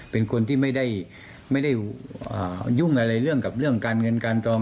เป็นคนที่ไม่ได้ยุ่งอะไรเรื่องกับเรื่องการเงินการจอง